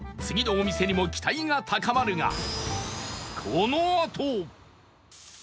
次のお店にも期待が高まるが